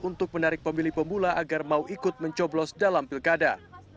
untuk menarik pemilih pemula agar mau ikut mencoblos dalam pilkada